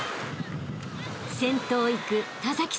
［先頭を行く田崎選手］